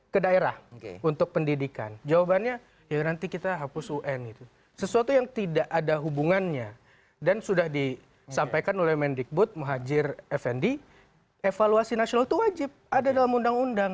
ke daerah untuk pendidikan jawabannya ya nanti kita hapus un itu sesuatu yang tidak ada hubungannya dan sudah disampaikan oleh mendikbud muhajir effendi evaluasi nasional itu wajib ada dalam undang undang